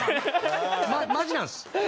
マジなんです。